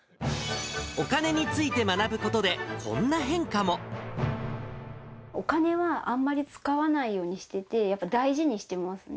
お金について学ぶことで、お金は、あんまり使わないようにしてて、やっぱり大事にしてますね。